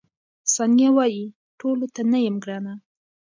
ثانیه وايي، ټولو ته نه یم ګرانه.